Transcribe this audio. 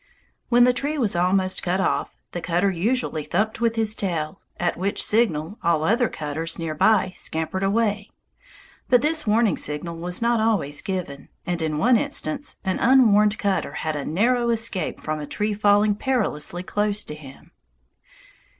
When the tree was almost cut off, the cutter usually thumped with his tail, at which signal all other cutters near by scampered away. But this warning signal was not always given, and in one instance an unwarned cutter had a narrow escape from a tree falling perilously close to him.